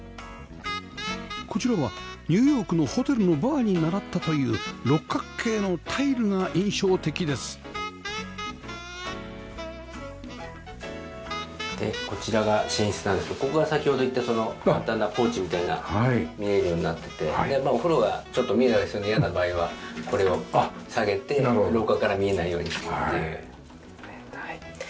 こちらはニューヨークのホテルのバーに倣ったという六角形のタイルが印象的ですでこちらが寝室なんですけどここが先ほど言った簡単なポーチみたいな見えるようになっててお風呂がちょっと見えたりするのが嫌な場合はこれを下げて廊下から見えないようにするっていう。